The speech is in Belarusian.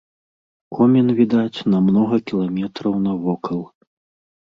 Комін відаць на многа кіламетраў навокал.